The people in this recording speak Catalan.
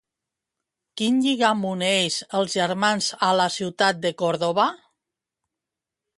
Quin lligam uneix els germans a la ciutat de Còrdova?